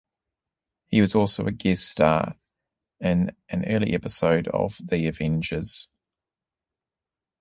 He was also a guest star in an early episode of "The Avengers".